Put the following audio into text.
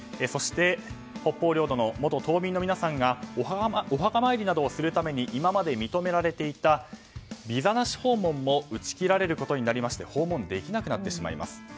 そして、北方領土の元島民の皆さんがお墓参りなどをするために今まで認められていたビザなし訪問も打ち切られることになりまして訪問できなくなってしまいます。